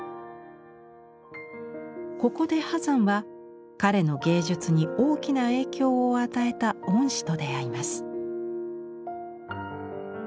ここで波山は彼の芸術に大きな影響を与えた恩師と出会います。